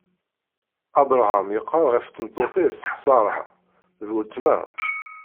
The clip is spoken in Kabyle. Abṛaham iqqar ɣef tmeṭṭut-is Ṣara: D weltma.